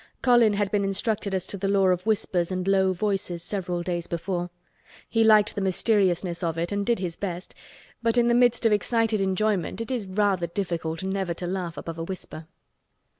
Colin had been instructed as to the law of whispers and low voices several days before. He liked the mysteriousness of it and did his best, but in the midst of excited enjoyment it is rather difficult never to laugh above a whisper.